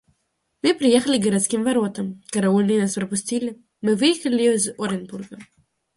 Мы приехали к городским воротам; караульные нас пропустили; мы выехали из Оренбурга.